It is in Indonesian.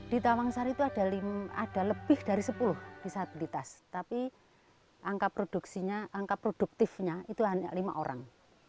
di tawang sari itu ada lebih dari sepuluh disabilitas tapi angka produktifnya itu hanya lima orang